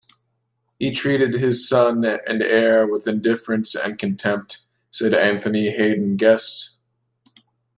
"He treated his son and heir with indifference and contempt," said Anthony Haden-Guest.